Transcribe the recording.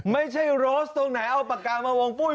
ไม่ใช่โรสตรงไหนเอาปากกามาวงปุ้ย